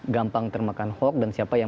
gampang termakan hoax dan siapa yang